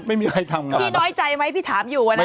ไม่มีใครทำงาน